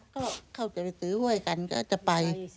ก็เขาจะไปซื้อห้วยกันก็จะไป